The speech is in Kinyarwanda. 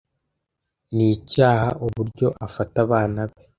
Nicyaha uburyo afata abana be.